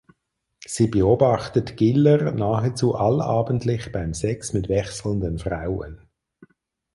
Sie beobachtet Giller nahezu allabendlich beim Sex mit wechselnden Frauen.